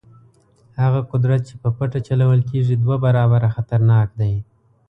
هغه قدرت چې په پټه چلول کېږي دوه برابره خطرناک دی.